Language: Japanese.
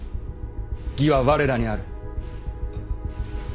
義は我らにある。